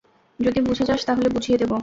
যদি বুঝে যাস তাহলে বুঝিয়ে দিবো।